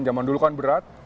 zaman dulu kan berat